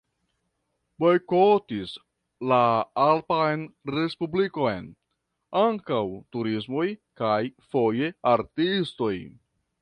Bojkotis la alpan respublikon ankaŭ turistoj kaj foje artistoj.